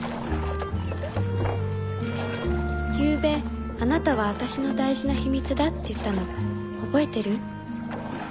ゆうべあなたはあたしの大事な秘密だって言ったの覚えてる？